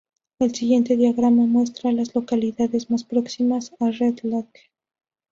El siguiente diagrama muestra a las localidades más próximas a Red Lodge.